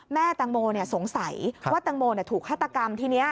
แตงโมสงสัยว่าตังโมถูกฆาตกรรมทีนี้